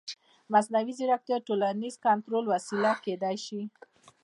مصنوعي ځیرکتیا د ټولنیز کنټرول وسیله کېدای شي.